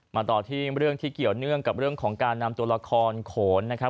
ต่อที่เรื่องที่เกี่ยวเนื่องกับเรื่องของการนำตัวละครโขนนะครับ